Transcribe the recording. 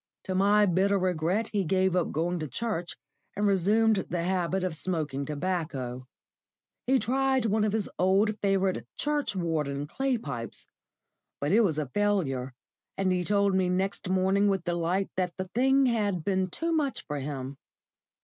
To my bitter regret he gave up going to church, and resumed the habit of smoking tobacco. He tried one of his old, favourite "churchwarden" clay pipes, but it was a failure, and he told me next morning with delight that the thing had been too much for him.